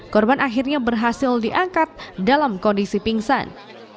korban akhirnya berhasil diangkat dalam kondisi pingsan